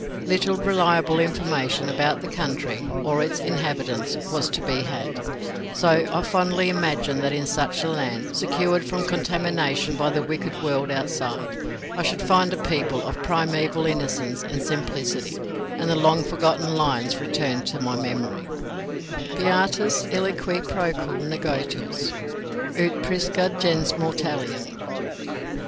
Little reliable information about the country or its inhabitants was to be had, so I fondly imagined that in such a land, secured from contamination by the wicked world outside, I should find a people of primeval innocence and simplicity, and the long forgotten lines returned to my memory: "Beatus ille qui procul negotils, Ut prisca gens mortalium."